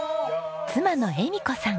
妻の恵美子さん。